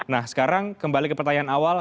nah sekarang kembali ke pertanyaan awal